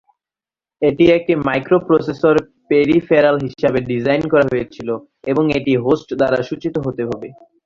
এটি একটি microprocessor peripheral হিসাবে ডিজাইন করা হয়েছিল, এবং এটি হোস্ট দ্বারা সূচিত হতে হবে।